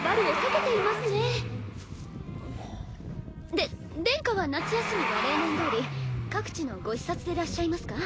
で殿下は夏休みは例年どおり各地のご視察でらっしゃいますか？